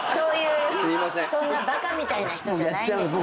そんなバカみたいな人じゃないんです。